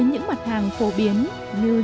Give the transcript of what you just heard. hàng phổ biến như